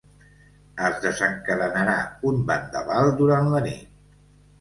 Es desencadenarà un vendaval durant la nit!